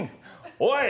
おい！